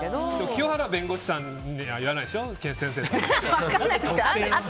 清原弁護士さんには言わないでしょ？